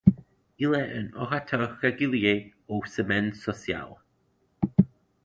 Il est un orateur régulier aux Semaines sociales.